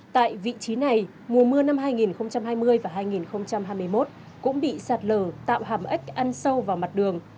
tại vị trí này mùa mưa năm hai nghìn hai mươi và hai nghìn hai mươi một cũng bị sạt lở tạo hàm ếch ăn sâu vào mặt đường